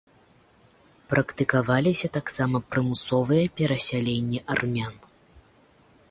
Практыкаваліся таксама прымусовыя перасяленні армян.